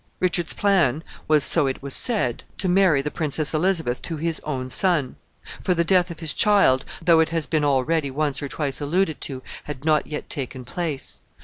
Richard's plan was, so it was said, to marry the Princess Elizabeth to his own son; for the death of his child, though it has been already once or twice alluded to, had not yet taken place.